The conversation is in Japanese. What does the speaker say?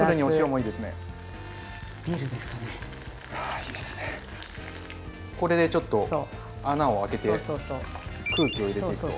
これでちょっと穴をあけて空気を入れていくと。